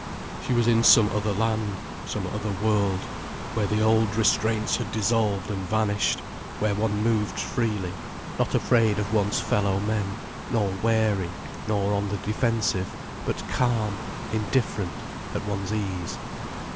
She was in some other land, some other world, where the old restraints had dissolved and vanished, where one moved freely, not afraid of one's fellow men, nor wary, nor on the defensive, but calm, indifferent, at one's ease.